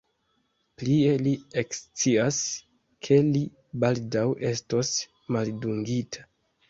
Plie, li ekscias, ke li baldaŭ estos maldungita.